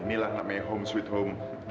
inilah namanya home swit home